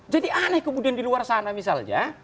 jadi aneh kemudian di luar sana misalnya